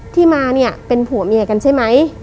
ที่มาเนี่ยเป็นผัวเมียกันใช่ไหม